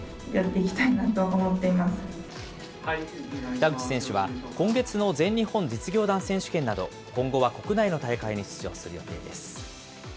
北口選手は、今月の全日本実業団選手権など、今後は国内の大会に出場する予定です。